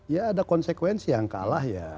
ya ada konsekuensi yang kalah ya